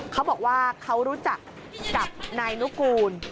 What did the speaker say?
เขาบอกว่าเขารู้จักกับนายนุกูล